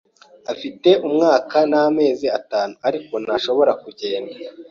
Afite umwaka n'amezi atanu, ariko ntashobora kugenda.